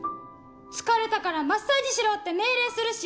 疲れたからマッサージしろって命令するし。